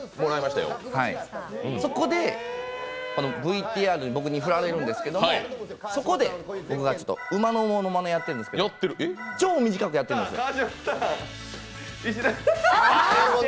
そこでＶＴＲの僕に振られるんですけどそこで僕が馬のものまねをやっているんですけど超短くやってるんですよ。